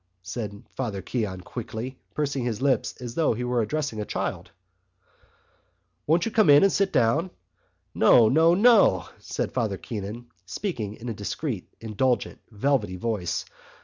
said Father Keon quickly, pursing his lips as if he were addressing a child. "Won't you come in and sit down?" "No, no, no!" said Father Keon, speaking in a discreet indulgent velvety voice.